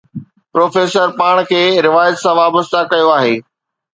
Professor پاڻ کي روايت سان وابسته ڪيو آهي.